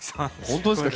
本当ですか？